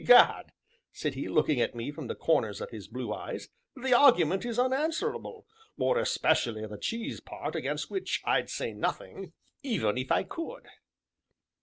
"Egad!" said he, looking at me from the corners of his blue eyes, "the argument is unanswerable, more especially the cheese part, against which I'd say nothing, even if I could."